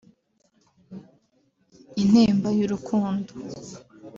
‘Intimba y’Urukundo’